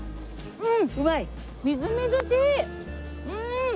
うん！